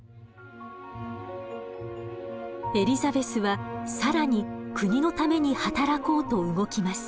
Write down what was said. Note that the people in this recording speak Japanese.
エリザベスは更に国のために働こうと動きます。